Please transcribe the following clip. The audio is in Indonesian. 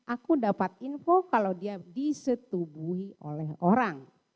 aku dapat info kalau dia disetubuhi oleh orang